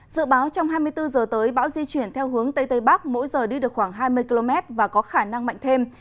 dự báo trong hai mươi bốn h tới bão di chuyển theo hướng tây tây bắc mỗi giờ đi được khoảng hai mươi km và có khả năng mạnh thêm